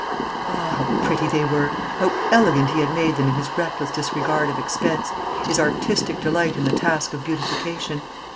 Ah, how pretty they were! How elegant he had made them in his reckless disregard of expense, his artistic delight in the task of beautification!